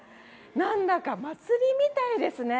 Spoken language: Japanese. なんだか、祭りみたいですね。